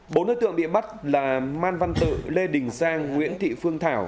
bốn đối tượng bị bắt là man văn tự lê đình giang nguyễn thị phương thảo